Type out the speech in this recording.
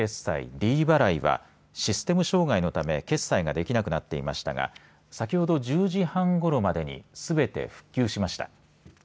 ｄ払いはシステム障害のため決済ができなくなっていましたが先ほど１０時半ごろまでにすべて復旧しました。